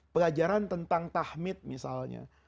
pelajaran tentang tahmid misalnya